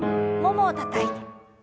ももをたたいて。